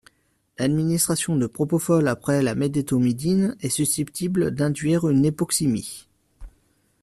L'administration de propofol après la médétomidine est susceptible d'induire une hypoxémie.